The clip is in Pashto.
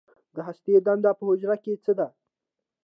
د هستې دنده په حجره کې څه ده